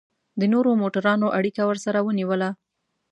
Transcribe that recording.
د نورو موټرانو اړیکه ورسره ونیوله.